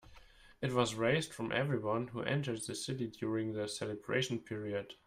It was raised from everyone who entered the city during the celebration period.